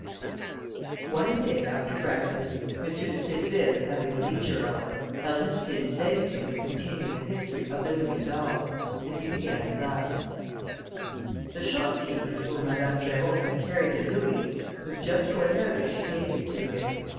One day after breakfast, M. de Cideville having a leisure hour, Ernestine begged him to continue the history of the louis d'or, and he began thus: The shopkeeper to whom Madame Jerôme had carried the louis, was just going out as she gave it to him.